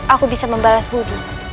aku bisa membalas budi